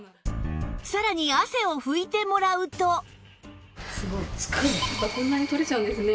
さらにこんなに取れちゃうんですね。